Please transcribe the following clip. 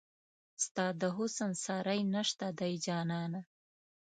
ستا د حسن ساری نشته دی جانانه